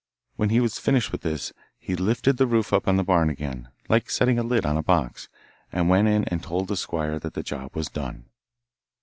When he was finished with this, he lifted the roof up on the barn again, like setting a lid on a box, and went in and told the squire that the job was done.